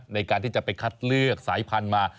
ในการที่จะไปคัดเลือกสายพันธุ์มา